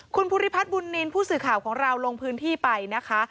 คุณภูริพัฒน์บุญนินทร์ผู้สื่อข่าวของเราลงพื้นที่ไปนะคะ